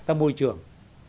tâm môi trường